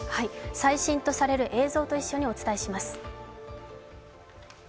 最新とされる映像と共にお伝えします。